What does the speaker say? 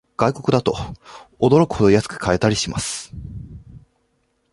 外国だと驚くほど安く買えたりします